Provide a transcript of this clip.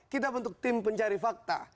kita bentuk tim pencari fakta